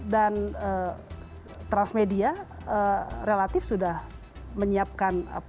dan transmedia relatif sudah menyiapkan